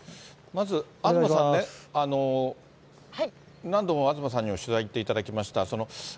まず、東さんね、何度も東さんには取材に行っていただきました。